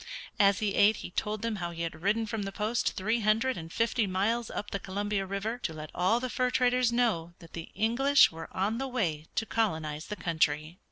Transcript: As he ate he told them how he had ridden from the post three hundred and fifty miles up the Columbia River to let all the fur traders know that the English were on the way to colonize the country.